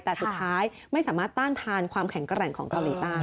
แต่สุดท้ายไม่สามารถต้านทานความแข็งแกร่งของเกาหลีใต้